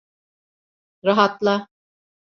Rahatla.